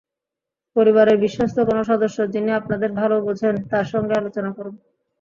পরিবারের বিশ্বস্ত কোনো সদস্য, যিনি আপনাদের ভালো বোঝেন, তাঁর সঙ্গে আলোচনা করুন।